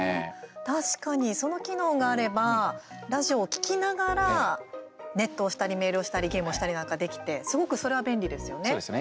確かにその機能があればラジオを聞きながらネットをしたり、メールをしたりゲームをしたりなんかできてすごくそれは便利ですよね。